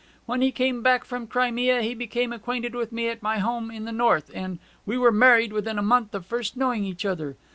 When he came back from the Crimea he became acquainted with me at my home in the north, and we were married within a month of first knowing each other.